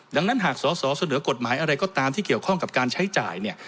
ดังนั้นหากสอสอเสนอกฎหมายอะไรก็ตามที่เกี่ยวข้องกับการใช้จ่ายเนี่ย